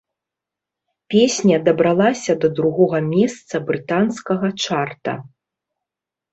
Песня дабралася да другога месца брытанскага чарта.